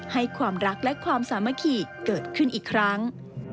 ให้ความรักและความสามัคคีเกิดขึ้นอีกครั้ง